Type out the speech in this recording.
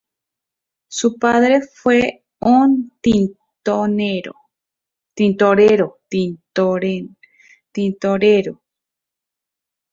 Su padre fue un tintorero.